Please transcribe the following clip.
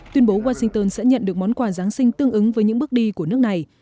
tuyên bố washington sẽ nhận được món quà giáng sinh tương ứng với những bước đi của nước này